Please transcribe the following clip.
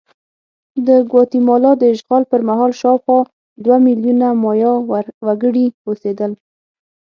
د ګواتیمالا د اشغال پر مهال شاوخوا دوه میلیونه مایا وګړي اوسېدل.